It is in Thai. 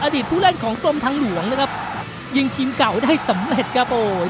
ผู้เล่นของกรมทางหลวงนะครับยิงทีมเก่าได้สำเร็จครับโอ้ย